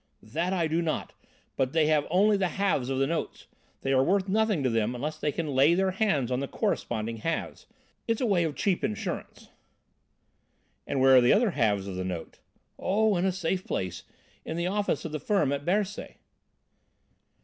"That I do not, but they have only the halves of the notes. These are worth nothing to them unless they can lay their hands on the corresponding halves. It's a way of cheap insurance." "And where are the other halves of the notes?" "Oh, in a safe place, in the office of the firm at Bercy."